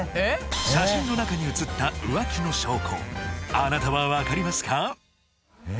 写真の中に写った浮気の証拠あなたは分かりますか！？